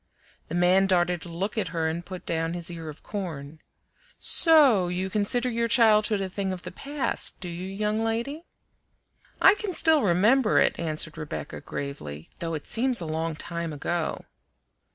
The man darted a look at her and put down his ear of corn. "So you consider your childhood a thing of the past, do you, young lady?" "I can still remember it," answered Rebecca gravely, "though it seems a long time ago."